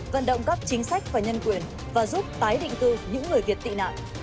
tạo ra nhân quyền và giúp tái định tư những người việt tị nạn